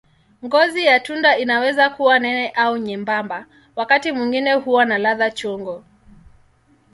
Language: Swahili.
Ngozi ya tunda inaweza kuwa nene au nyembamba, wakati mwingine huwa na ladha chungu.